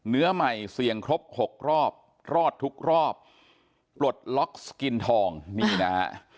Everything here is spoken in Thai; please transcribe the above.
เนื้อใหม่เสี่ยงครบหกรอบรอดทุกรอบปลดล็อกสกินทองนี่นะฮะ